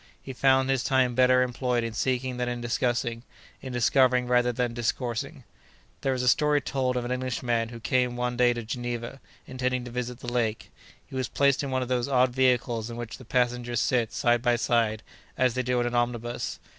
He found his time better employed in seeking than in discussing, in discovering rather than discoursing. There is a story told of an Englishman who came one day to Geneva, intending to visit the lake. He was placed in one of those odd vehicles in which the passengers sit side by side, as they do in an omnibus.